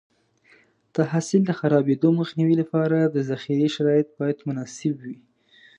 د حاصل د خرابېدو مخنیوي لپاره د ذخیرې شرایط باید مناسب وي.